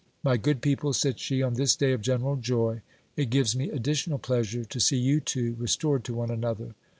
My good people, said she, on this day of general joy, it gives me additional pleasure to see you two re stored to one another.